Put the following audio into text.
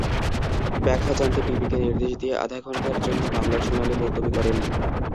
ব্যাখ্যা জানতে পিপিকে নির্দেশ দিয়ে আধা ঘণ্টার জন্য মামলার শুনানি মুলতবি করেন।